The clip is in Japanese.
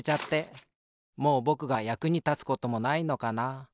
もうぼくがやくにたつこともないのかな。